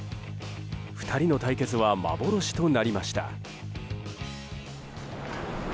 ２人の対決は幻となりました。